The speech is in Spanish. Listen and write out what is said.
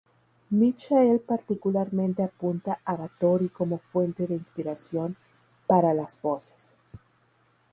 Michael particularmente apunta a Bathory como fuente de inspiración para las voces.